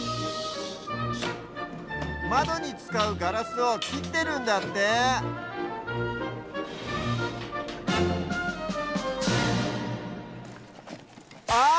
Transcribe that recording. まどにつかうガラスをきってるんだってああ！